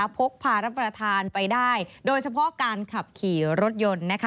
พกพารับประทานไปได้โดยเฉพาะการขับขี่รถยนต์